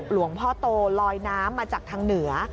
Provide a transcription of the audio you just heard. หลวงพ่อโตลอยน้ำมาจากทางเหนือ